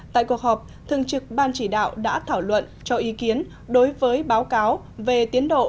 tại cuộc họp thường trực ban chỉ đạo đã thảo luận cho ý kiến đối với báo cáo về tiến độ